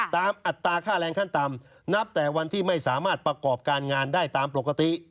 อัตราค่าแรงขั้นต่ำนับแต่วันที่ไม่สามารถประกอบการงานได้ตามปกติ